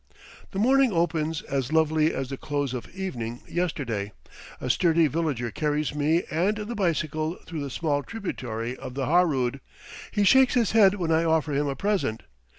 The morning opens as lovely as the close of evening yesterday; a sturdy villager carries me and the bicycle through a small tributary of the Harood. He shakes his head when I offer him a present.